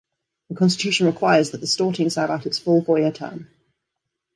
The Constitution requires that the Storting serve out its full four-year term.